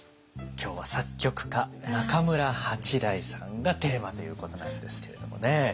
今日は作曲家中村八大さんがテーマということなんですけれどもね。